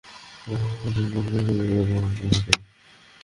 তোমার বান্ধবী শোভা রানীকে বলে আমার চুলের একটা ছাঁট মঞ্জুর করে দাও।